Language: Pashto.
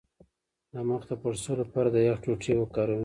د مخ د پړسوب لپاره د یخ ټوټې وکاروئ